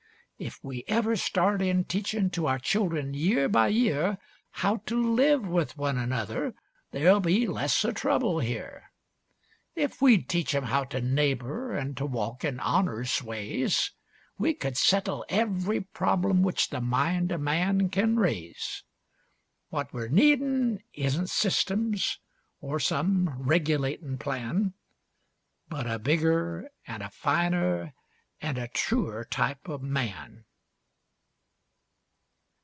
"If we ever start in teachin' to our children, year by year, How to live with one another, there'll be less o' trouble here. If we'd teach 'em how to neighbor an' to walk in honor's ways, We could settle every problem which the mind o' man can raise. What we're needin' isn't systems or some regulatin' plan, But a bigger an' a finer an' a truer type o' man."